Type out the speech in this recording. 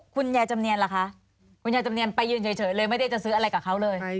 จำเนียนล่ะคะคุณยายจำเนียนไปยืนเฉยเลยไม่ได้จะซื้ออะไรกับเขาเลย